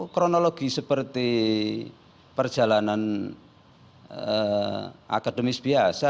kronologi seperti perjalanan akademis biasa